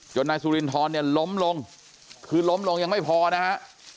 นายสุรินทรเนี่ยล้มลงคือล้มลงยังไม่พอนะฮะ